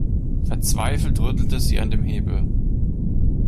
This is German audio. Verzweifelt rüttelte sie an dem Hebel.